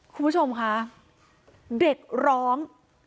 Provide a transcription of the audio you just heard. คุณผู้ชมคะเด็กร้อง